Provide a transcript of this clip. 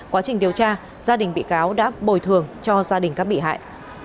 quá trình điều tra gia đình bị cáo đã bồi thường cho gia đình các bị hại